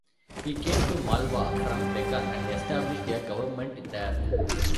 He came to Malwa from Deccan, and established a government there.